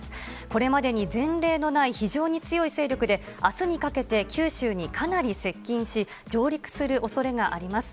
これまでに前例のない非常に強い勢力で、あすにかけて九州にかなり接近し、上陸するおそれがあります。